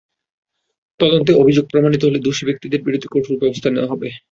তদন্তে অভিযোগ প্রমাণিত হলে দোষী ব্যক্তিদের বিরুদ্ধে কঠোর ব্যবস্থা নেওয়া হবে।